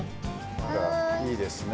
いいですね。